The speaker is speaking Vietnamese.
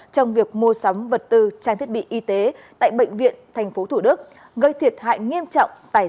trong việc mua sắm vật tư trang thiết bị y tế tại bệnh viện thành phố thủ đức gây thiệt hại nghiêm trọng tài sản cho nhà nước